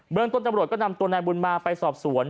เมืองต้นตำรวจก็นำตัวนายบุญมาไปสอบสวน